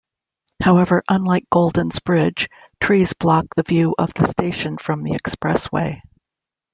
However, unlike Golden's Bridge, trees block the view of the station from the expressway.